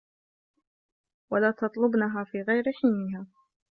وَلَا تَطْلُبْهَا فِي غَيْرِ حِينِهَا